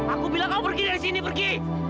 aku bilang kamu pergi dari sini pergi